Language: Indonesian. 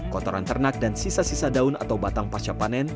kotoran ternak dan sisa sisa daun atau batang pasca panen